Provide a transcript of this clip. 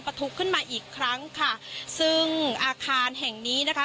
ทุกขึ้นมาอีกครั้งค่ะซึ่งอาคารแห่งนี้นะคะ